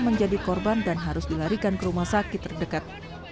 menjadi korban dan harus dilarikan ke rumah sakit terdekat